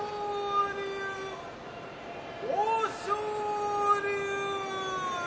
龍、豊昇龍